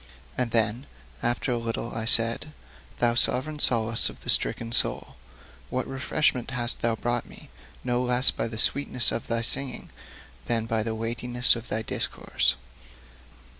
And then after a little I said: 'Thou sovereign solace of the stricken soul, what refreshment hast thou brought me, no less by the sweetness of thy singing than by the weightiness of thy discourse!